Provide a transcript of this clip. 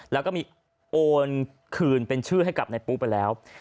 แล้วก็มีโอนคืนเป็นชื่อให้กับนายปุ๊ไปแล้ว